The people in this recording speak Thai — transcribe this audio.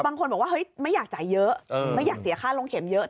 บางคนบอกว่าเฮ้ยไม่อยากจ่ายเยอะไม่อยากเสียค่าลงเข็มเยอะ